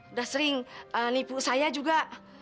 udah sering nipu saya juga